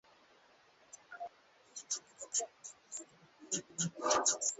Hii ni ishara ya kuonyesha kutoridhika kwao na utaratibu wa uchaguzi pamoja na hali ya maisha ilivyo sasa